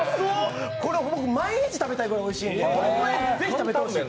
これ、毎日食べたいくらいおいしいから、ぜひ食べてほしい。